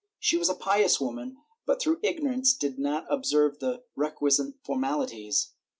She was a pious woman but through ignorance did not observe the requisite formalities.